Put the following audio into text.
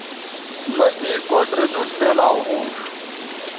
مہ تے گوٹھ رے نوٹ میلاو ھونݜ